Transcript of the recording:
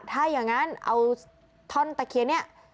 ถ้าอย่างนั้นเอาท่อนตะเคียนเนี่ย